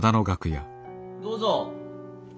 どうぞ。